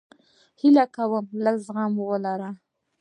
هیله کوم لږ زغم ولره